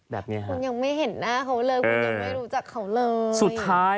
แบบนี้ค่ะคุณยังไม่เห็นหน้าเขาเลยคุณยังไม่รู้จักเขาเลยสุดท้าย